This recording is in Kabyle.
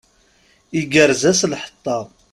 Igerrez-as lḥeṭṭa.